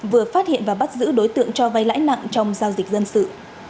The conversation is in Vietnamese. vừa phát hiện và bắt giữ đối tượng cho vay lãi nặng trong giao dịch dân sự